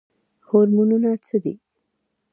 هورمونونه څه دي؟